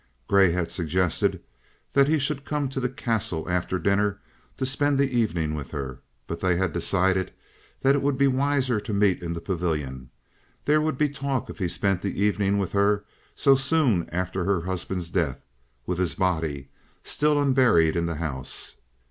Grey had suggested that he should come to the Castle after dinner to spend the evening with her; but they had decided that it would be wiser to meet in the pavilion. There would be talk if he spent the evening with her so soon after her husband's death, with his body still unburied in the house.